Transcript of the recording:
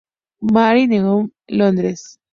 Mary Newington, Londres.